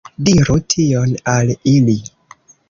Diru tion al ili!